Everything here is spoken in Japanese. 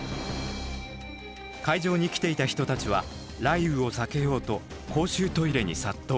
会場に来ていた人たちは雷雨を避けようと公衆トイレに殺到。